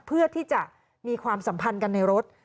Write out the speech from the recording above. เพื่อที่จะมีความสัมพันธ์กันในรถ